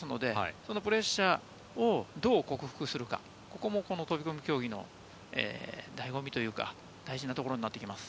そのプレッシャーをどう克服するか、ここも飛込競技の醍醐味というか大事なところになってきます。